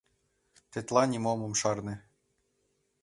Тетла нимом ом шарне.